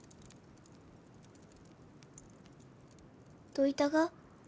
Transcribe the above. どういたが？